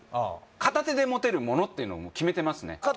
片手で持てるものってもう決めてますね